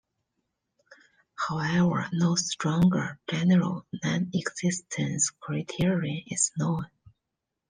However, no stronger general non-existence criterion is known.